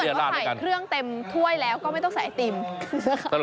ว่าใส่เครื่องเต็มถ้วยแล้วก็ไม่ต้องใส่ไอติม